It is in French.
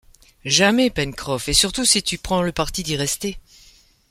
Jamais, Pencroff, et surtout si tu prends le parti d’y rester !